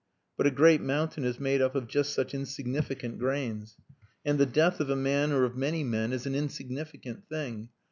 But a great mountain is made up of just such insignificant grains. And the death of a man or of many men is an insignificant thing.